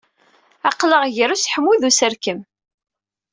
Aql-aɣ ger useḥmu d userkem